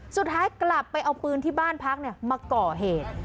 สุดท้ายกลับไปเอาปืนที่บ้านพักมาก่อเหตุ